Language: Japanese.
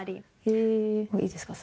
へぇいいですか？